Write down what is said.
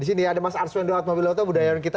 di sini ada mas arswendot mobil otobudayaan kita